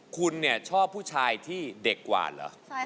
คุณชอบผู้ชายที่เด็กกว่าหรอ